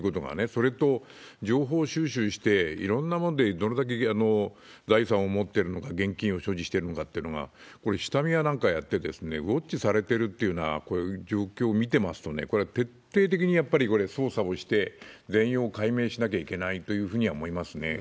それと情報収集して、いろんなものでどれだけ財産を持ってるのか、現金を所持してるのかっていうのが、これ、下見やなんかやって、ウォッチされてるというような、こういう状況を見てますとね、これは徹底的にやっぱり、これ、捜査をして、全容解明しなきゃいけないというふうには思いますね。